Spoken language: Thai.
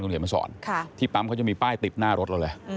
คุณเห็นมันสอนที่ปั๊มก็จะมีป้ายติบหน้ารถแล้วแหละ